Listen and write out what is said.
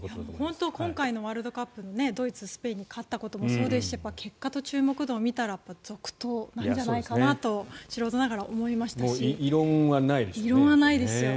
今回のワールドカップのドイツ、スペインに勝ったこともそうですし結果と注目度を見たら続投なんじゃないかなと素人ながらもう異論はないですよね。